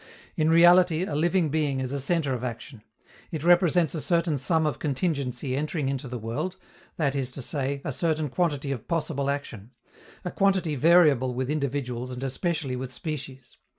In reality, a living being is a centre of action. It represents a certain sum of contingency entering into the world, that is to say, a certain quantity of possible action a quantity variable with individuals and especially with species.